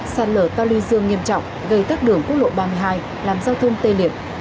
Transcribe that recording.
sạt lở to ly dương nghiêm trọng gây tắc đường quốc lộ ba mươi hai làm giao thương tê liệt